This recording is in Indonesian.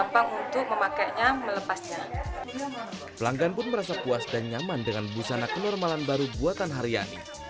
pelanggan pun merasa puas dan nyaman dengan busana kenormalan baru buatan haryani